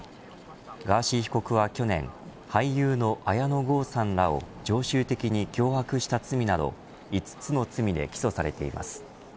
ガーシー被告は去年俳優の綾野剛さんらを常習的に脅迫した罪など５つの罪で起訴されています。